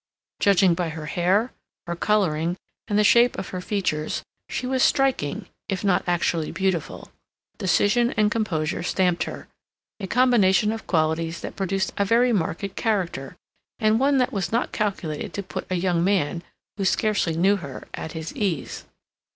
Judging by her hair, her coloring, and the shape of her features, she was striking, if not actually beautiful. Decision and composure stamped her, a combination of qualities that produced a very marked character, and one that was not calculated to put a young man, who scarcely knew her, at his ease.